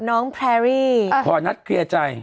น้องแพรรี่